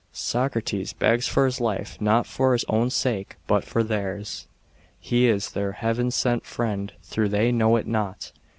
Socrates begs for his life, not for his own sake, but for theirs : he is their heaven sent friend, though they know it not.